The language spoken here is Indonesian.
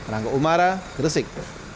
rangga umara gresik